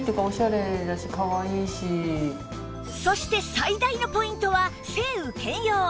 そして最大のポイントは晴雨兼用